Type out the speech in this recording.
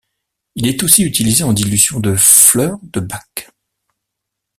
Il est aussi utilisé en dilution de fleurs de Bach.